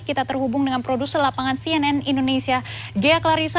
kita terhubung dengan produser lapangan cnn indonesia ghea klarissa